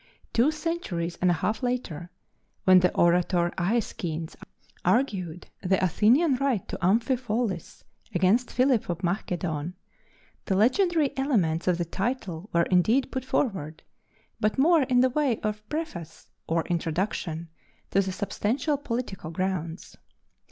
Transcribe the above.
Two centuries and a half later, when the orator Æschines argued the Athenian right to Amphipolis against Philip of Macedon, the legendary elements of the title were indeed put forward, but more in the way of preface or introduction to the substantial political grounds.